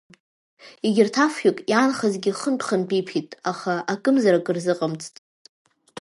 Егьырҭ афҩык иаанхазгьы хынтә-хынтә иԥеит, аха акымзарак рзыҟамҵт.